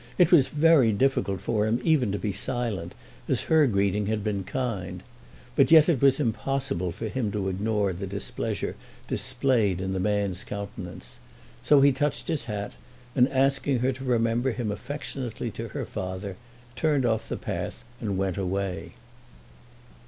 It was very difficult for him even to be silent, as her greeting had been kind. But yet it was impossible for him to ignore the displeasure displayed in the man's countenance. So he touched his hat, and asking her to remember him affectionately to her father, turned off the path and went away.